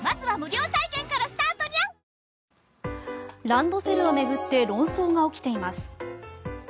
ランドセルを巡って論争が起きています。